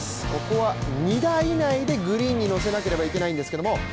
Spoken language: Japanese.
ここは２打以内でグリーンに乗せなければいけないんですけども。